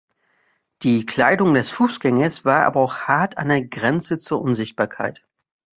Die Kleidung des Fußgängers war aber auch hart an der Grenze zur Unsichtbarkeit.